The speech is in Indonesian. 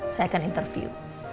saya akan interview